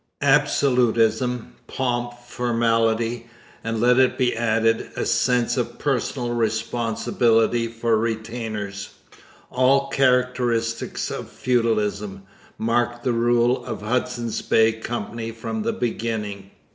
Absolutism, pomp, formality, and, let it be added, a sense of personal responsibility for retainers all characteristics of feudalism marked the rule of the Hudson's Bay Company from the beginning.